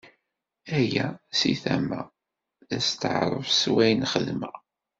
Aya, si tama, d asṭeɛref s wayen xeddmeɣ.